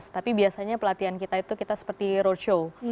tapi biasanya pelatihan kita itu kita seperti roadshow